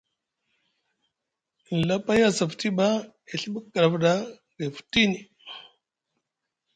Nɵa pay a saa futi ɓa e Ɵibi kɗaf ɗa gay futini.